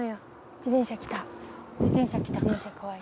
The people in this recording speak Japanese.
自転車来たか。